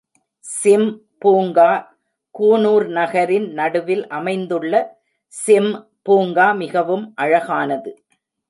Sim பூங்கா கூனூர் நகரின் நடுவில் அமைந்துள்ள சிம் பூங்கா மிகவும் அழகானது.